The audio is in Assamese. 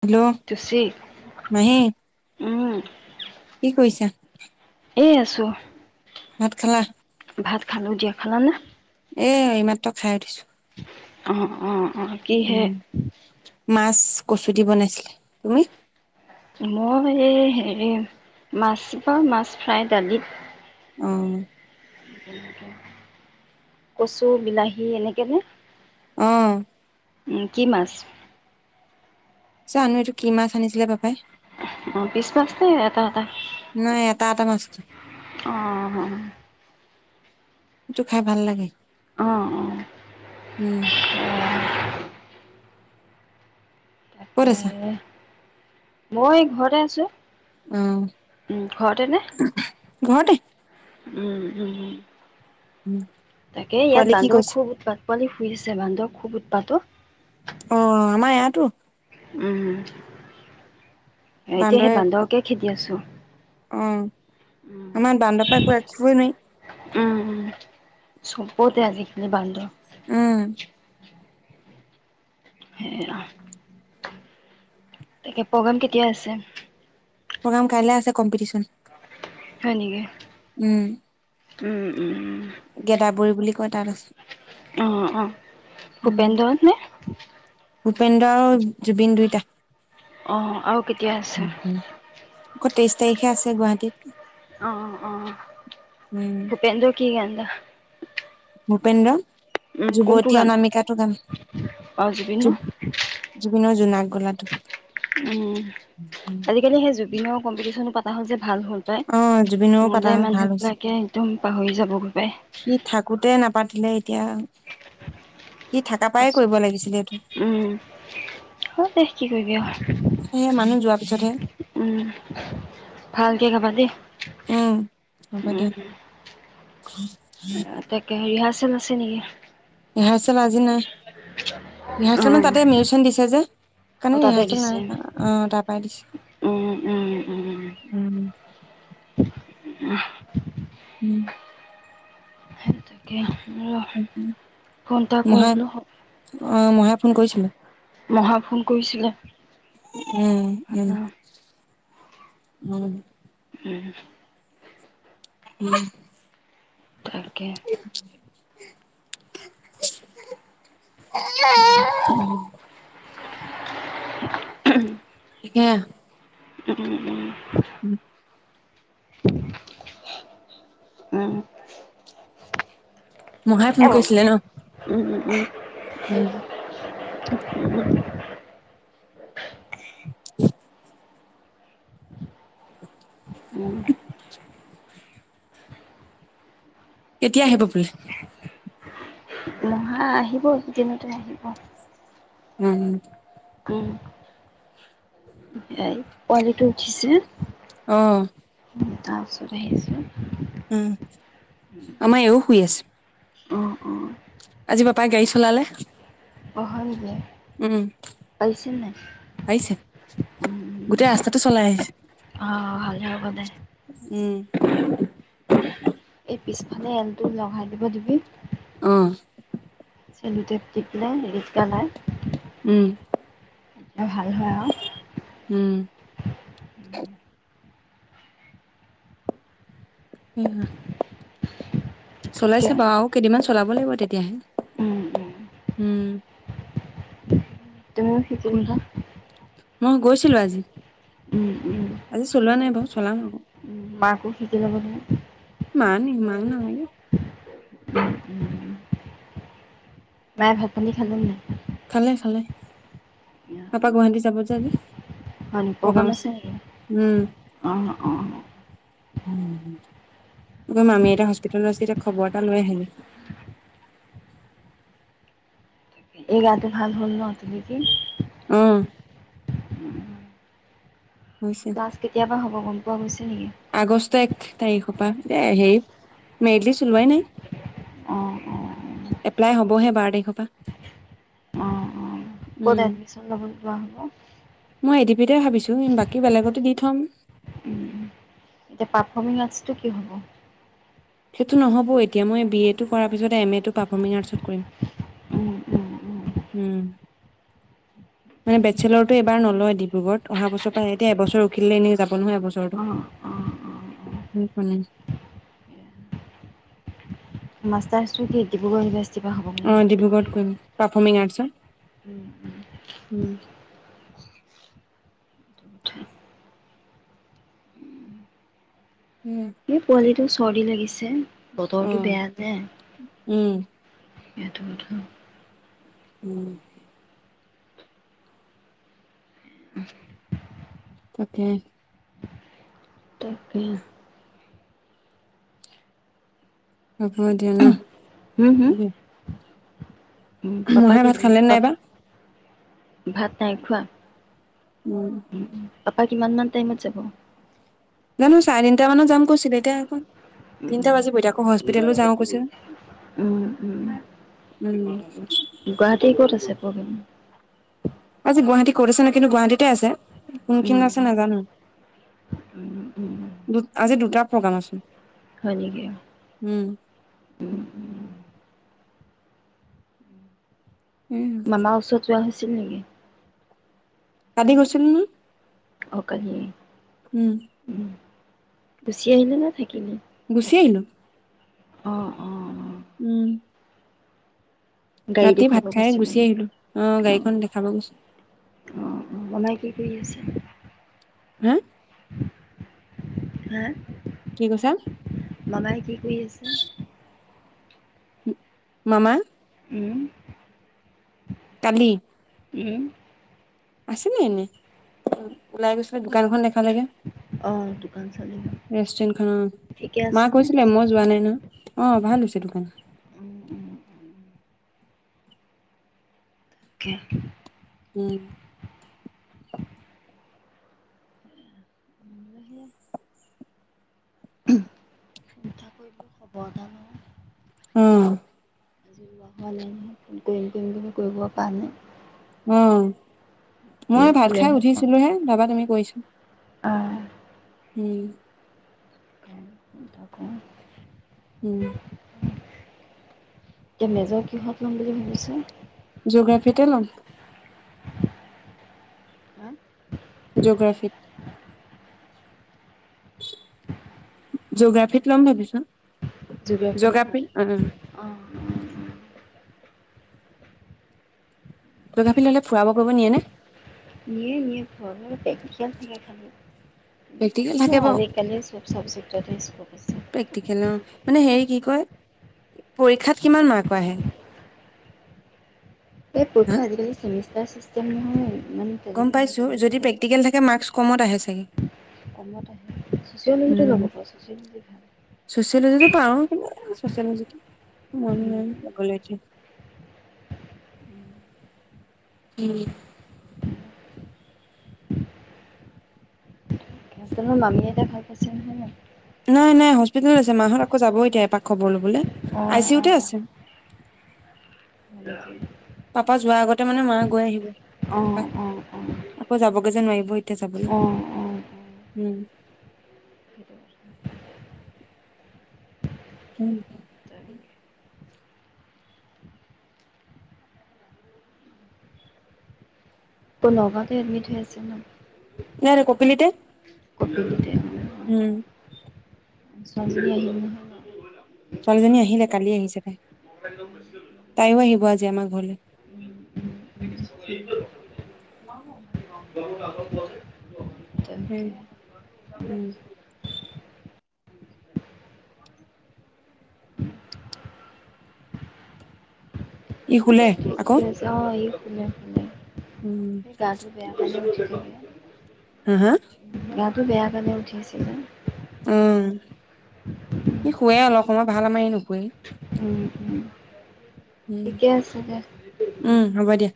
হেল্ল' মহি উওম কি কৈছে এই আছোঁ ভাত খালা ভাত খালোঁ দিয়া খালা নে এ ইমাত্ৰ খাই উঠিছো অ অ [inaudible] কিহে [inaudible] মাছ কচু দি বনাইছিলা তুমি মই এই হেৰি মাছ বা মাছ ফ্ৰাই দালিত অ কচু বিলাহী এনেকে নে অহ উ কি মাছ জানো এইটো কি মাছ আনিছিলে, পাপাই। অ, পিছ মাছ নে এটা এটা নাই এটা [inaudible] অঁ। টো খাই ভাল লাগে। অঁ, অঁ। উম। তাকে কত আছা? মই ঘৰতে আছো। অ উম ঘৰতে নে। ঘৰতে উম, উম। তাকে ইয়াত পোৱালি কি বান্ধো কৈছে খুব উৎপাত। পোৱালি শুই আছে। বান্দ খুব উৎপাত অ অ, আমাৰ ইয়াতো। উম এতিয়া সেই বান্দৰে বান্দৰকে খেদি আছো। অ। উম আমাৰ দান্দৰ পা একো ৰাখিবই নোৱাৰি। উম চবতে আজিকালি বান্দৰ। উম। সেইয়া তাকে প্ৰগ্ৰেম কেতিয়া আছে? প্ৰগ্ৰাম কাইলৈ আছে, কম্পিটিশন। হয় নেকি উম। উম, উম। গেদাবৰী বুলি কয় তাত আছো। অ, ' অ, 'ভূপেনন্দ্ৰত নে? ভূপেন্দ্ৰ আৰু জুবিন দুইটা। অ, আৰু কেতিয়া আছে। তেইছ তাৰিখে আছে গুৱাহাটীত। অ, অ অ অ, উম ' ভূপেন্দ্ৰ কি গান গা- [inaudible] ভূপেন্দ্ৰ। যুৱতী গান অনামিকাটো গাম। অঁ জুবিনৰ জ-জুবিনৰ জোনাক গলাটো। [unintelligible] উম আজিকালি সেই জুবিনৰ কম্পিটিশন পা- চ য [unintelligible] ভাল হ'ল পায়। অ জুবিনৰো পাতা মোলে হল ভাল হৈছে মানুহবিলাকে একদম পাহৰি যাব পায় সি থাকোতে নাপাতিলে এতিয়া সি থাকা পৰাই কৰিব লাগিছিলে এইটো উম, হয় দে কি কৰিবি আও। সেয়ে মানুহ যোৱাৰ পিছতহে উম ভাল [unintelligible] উম, হ'ব দিয়া। তাকেহে ৰিহাছ চেল আছে নেকি। ৰিহাৰচেল আজি নাই, ৰিহাৰচেল মানে অঁ তাতে [unintelligible] দিছে যে। অঁ কাৰণে তাতে ৰিহাৰসেল নাই দিছে হোৱা, অঁ তাৰ পৰাই দিছো। উম উম-উম। [unintelligible] উম। সেইটোকে [unintelligible] মহাই বোলো অঁ মহাই ফোন কৰিছিলে। মহা ফোন কৰিছিলে। উম উম। উম। উম। উম। তাকে। [unintelligible] উম, [unintelligible] [unintelligible] [unintelligible] উম [unintelligible] উম। উম। উম। মহাই ফোন কৰিছিলে ন। উম। [unintelligible] [unintelligible] উম। [inaudible] কেতিয়া আহিব বোলে। হা আহিব দুদিনতে আহিব। উম। উম। সেয়াই, পোৱালিটো উঠিছে। অ'। তাৰ ওচৰত আহিছোঁ। আমাৰ এও শুই আছে। অ' অ'। আজি পাপাই গাড়ী চলালে। অহ হয় নেকি উম পাৰিছে নাই আহিছে উম, গোটেই ৰাস্তাটো চলাই আহিছে ভাল যাবাব দোয় উম এই পিছফালে এলটো লগাই দিব দিবি অ' চেলোটেপ দি পেলাই ৰিত গালাই উম এয়া ভাল হয় আৰু উম উহ চলাইছে এতিয়া বা আৰু কেইদিনমান চলাব লাগিব তেতিয়াহে উম উম উম তুমিও শিকিলিবা মই গৈছিলো আজি উম আজি চলোৱা নাই বাৰু চলাম আকৌ মাকো শিকি লাব নহয় ন নহয় চাগে উম মায়ে ভাত পানী খালম নাই খালে খালে, পাপা গুৱাহাটী যাব যে আজি হয় নি প্ৰগ্ৰেম আছে উম, ন অ অ ক মামি এটা হস্পিতোলত আছ এতিয়া খবৰ এটা লৈ আহিলেকি এই গাতে ভাল হ'ল ন তদি অ' হৈছে, ক্লাছ কেতিয়াবা হব গম গৰম উঠিছে নেকি আগষ্ট এক তাৰিখৰ পৰা এ হেই মেতি চলোৱাই নাই অঁ অঁ এপ্লাই হ'বহে বাৰ তাৰিখৰ পৰা উম। কতাই নক চন্দ বনাহো দুয়োটাই ভাবিছো বাকী বেলেগতে দি থম উম এতিয়া পাৰফৰ্মিং আছটো কি হব সেইটো নহবএতিয়া মই বি এ টো কৰাৰ পিছতে এম এ টো পাৰফমিনাৰছত কৰিম বেচিলাৰটো নহয় এইবাৰ ডিব্ৰুগড়ত অহা বছৰ পৰা অঁ অঁ অঁ মাষ্টাছটো কি ডিব্ৰুগড় ইউনিভাৰ্সিটি অ ডিব্ৰুগড়ত কৰিব পাৰফমিং আৰ্টছৰ উম উম এই উম, কি পোৱালি টো চৰ্দি লাগিছে অ বতৰটো বেয়া যে উম সেইটো কথা। উম তাকে তাকে হব দিয়া নহ উম হোম উমহ মহাই ভাত খালে নাইবা ভাত নাই খোৱা উম উম বাকী কিমান মান টাইমত যাব মো চাৰে তিনটা মানত যাম কৈছিলে এতিয়া দেখোন তিনটা উম বাজি বৈ এতিয়া আকৌ হস্পিটেলো যাওঁ কৈছে উম উম গুৱাহাটী ক'ত আছে প্ৰগেম আজি গুৱাহাটী ক'ত আছে কিন্তু গুৱাহাটীতে আছে কোন খিনিত উম আছে নেজানো উম উম আজি দুটা প্ৰগ্ৰাম আছে হয় নেকি উম মামাৰ ওচৰত যোৱা হৈছে ছিল নেকি কালি গৈছিলো নহয় অ কালি উম গুচি আহিলে নে থাকিলি গুচি আহিলো অ অ অ উম গাড়ী ৰাতি দেখুৱাব ভাত খাই গৈছিলে গুচি মানে আহিলোঁ আহ অ গাড়ীখন দেখাব গৈছো হৈ আছে হে হা কি কৈছা মামাই কি কৰি আছে মামা উম কালি উম আছে নু এনেই ওলাই গৈছিলে দোকানখন দেখা লাগে অ', দোকান চলিব। ৰেষ্টুৰেন্ট খন অ ঠিকে মা আছেনে? কৈছিলে মই যোৱা নাই ন অ ভাল হৈছে দোকান উম উম উম, তাকে উম ফোন এটা কৰি বোলো খবৰ এটা লঁও আহ ৱা নাই কৰিম কৰিম বুলি কৰিব পৰা নাই হম ই মই ভাত খাই শুলেহে উঠিছিলো হে তাপা তুমি কৈৰিছি অঁ উম ফোন এটা কৰোঁ। উম এতিয়া মেজৰ কিহত ল'ম বুলি ভাবিছ জিঅ'গ্ৰাফিতে [unintelligible] হা? জিঅ'গ্ৰাফিত জিগ্ৰাফিত লম ভাবিছো জিঅ'গ্ৰাফী। যোগাপি অহ অ', অ'। জিঅ'গ্ৰাফি ললে ফুৰাব কৰিব নিয়ে নে নিয়ে নিয়ে ফুৰাবলৈ প্ৰেক্টিকেল থাকে প্ৰেক্টিকেল খালি এই থাকে বাৰু আজি কালি চব চবজি ষ্টেথিছ [unintelligible] প্ৰেক্টিকেল অ মানে হেৰি কি কয় পৰীক্ষাত কিমান মাৰ্ক আহে এই হা পৰীক্ষা আজি কালি ছেমিষ্টা এ চিষ্টেম নহয় ইমান গম তেনেকৈ মই পাইছো যদি নাপাওঁ আমাৰ প্ৰেক্টিকেল থাকে মাৰ্চ কমত আহে চা গে মই ত সেয়াই কৈছো উম চুচয়লজিতো পাৰো কিন্তু এই চচিয়লজিটো উম ভোক লাগিছে উম আপানাৰাৰ মামীয়ে এতিয়া ভাল পাইছে নহয় ন নাই নাই হস্পিতেলত আছে মাহত আকৌ যাব এতিয়া এপাক খবৰ লবলৈ আই অঁ চি ইউতে আছে উ পাপা যোৱাৰ আগতে মানে মা গৈ আহিব অঁ এপাঅ আকৌ যাব [unintelligible] মাইবই তেয যাবলৈ অঁ অঁ অঁ উম সেইটো কথা। উম তৌ ন'গাৱতে এডমিট হৈ আছিল ন না ৰে কপিলিতে কতে [unintelligible] উম ইচ্ ৰাম ৰাম ছোৱালীজনী আহিলে কালি আহিছে তাই তাইও আহিব আজি আমাৰ ঘৰলৈ উ তাকে উম উম ই শুলে আকৌ কিছ অ ই শুলে শুলে গাটো বেয়া অ হা হা গাটো বেয়া কাৰণে উঠি আছিলো উম সি শুৱোই ঠিক অলপ সময় ভাল মাৰি নোশুৱেই উম উম ঠিকে আছে নাই